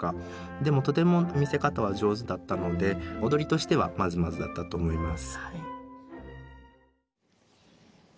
でもとても見せ方は上手だったので踊りとしてはまずまずだったと思います。